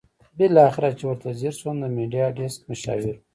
بالاخره چې ورته ځېر شوم د میډیا ډیسک مشاور وو.